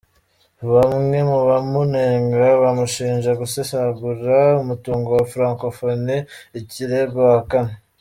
Bamwe mu bamunenga bamushinja gusesagura umutungo wa Francophonie, ikirego ahakana.